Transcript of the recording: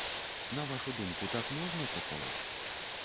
На вашу думку, так можна працаваць?